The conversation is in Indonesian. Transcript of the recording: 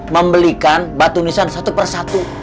membelikan batu nisan satu persatu